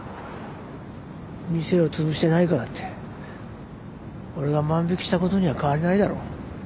店をつぶしてないからって俺が万引きしたことには変わりないだろ？